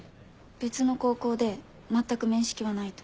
別の高校で全く面識はないと。